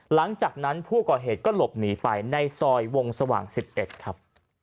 หลังจากนั้นผู้ก่อเหตุก็หลบหนีไปในซอยวงสว่าง๑๑ครับ